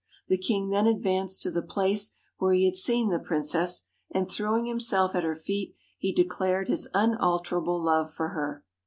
The king then advanced to the place where he had seen the princess, and throwing himself at her feet he de clared his unalterable love for her.